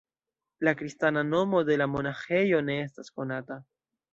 La kristana nomo de la monaĥejo ne estas konata.